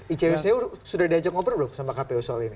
icwcu sudah diajak ngobrol belum sama kpu